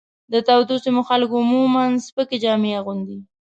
د تودو سیمو خلک عموماً سپکې جامې اغوندي.